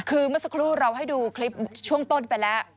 คือเมื่อสักครู่เราให้ดูคลิปช่วงต้นไปแล้ว